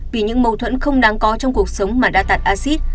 vì những mâu thuẫn không đáng có trong cuộc sống mà đã tạt acid